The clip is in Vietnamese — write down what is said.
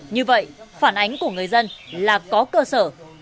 như vậy phản ánh của người dân là có cơ sở